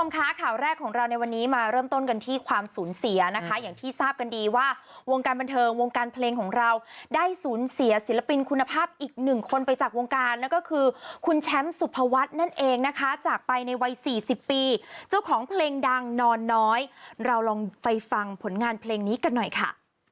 ค่ะข่าวแรกของเราในวันนี้มาเริ่มต้นกันที่ความสูญเสียนะคะอย่างที่ทราบกันดีว่าวงการบันเทิงวงการเพลงของเราได้สูญเสียศิลปินคุณภาพอีกหนึ่งคนไปจากวงการนั่นก็คือคุณแชมป์สุภวัฒน์นั่นเองนะคะจากไปในวัยสี่สิบปีเจ้าของเพลงดังนอนน้อยเราลองไปฟังผลงานเพลงนี้กันหน่อยค่ะ